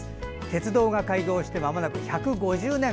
鉄道が開業してまもなく１５０年。